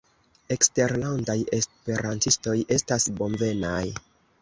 Eksterlandaj esperantistoj estas bonvenaj.